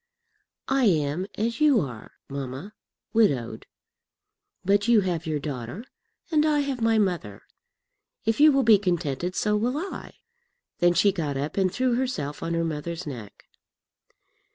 I am as you are, mamma, widowed. But you have your daughter, and I have my mother. If you will be contented, so will I." Then she got up and threw herself on her mother's neck.